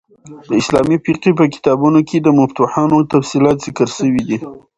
د اسلامي فقهي په کتابو کښي د مفتوحانو تفصیلات ذکر سوي دي.